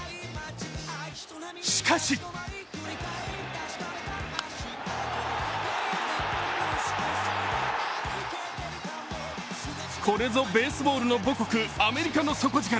しかしこれぞベースボールの母国・アメリカの底力。